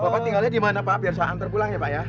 bapak tinggalnya di mana pak biar saya antar pulang ya pak ya